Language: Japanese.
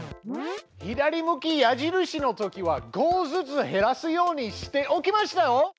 左向き矢印のときは５ずつ減らすようにしておきましたよ！